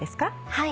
はい。